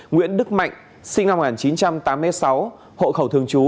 nguyễn đức mạnh sinh năm một nghìn chín trăm tám mươi sáu hộ khẩu thường trú